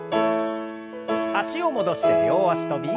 脚を戻して両脚跳び。